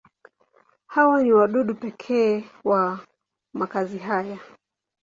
Hawa ni wadudu pekee wa makazi haya.